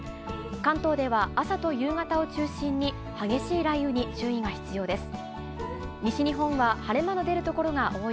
関東では朝と夕方を中心に、激しい雷雨に注意が必要です。